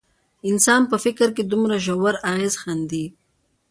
د انسان په فکر دومره ژور اغېز ښندي.